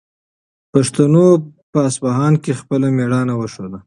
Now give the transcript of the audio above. پښتنو په اصفهان کې خپله مېړانه وښوده.